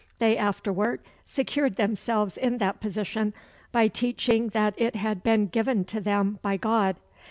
They afterward secured themselves in that position by teaching that it had been given to them by God.